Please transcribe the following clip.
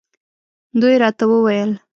دوی راته وویل.